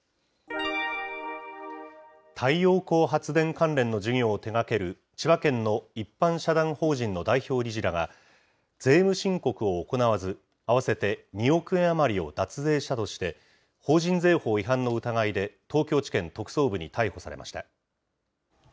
太陽光発電関連の事業を手がける、千葉県の一般社団法人の代表理事らが、税務申告を行わず、合わせて２億円余りを脱税したとして、法人税法違反の疑いで、東京地検特捜部に逮捕されました。